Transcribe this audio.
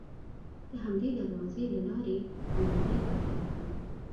د همدې دروازې له لارې مو نړۍ بدله کړه.